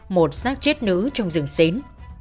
một sát chết nữ trong rừng xến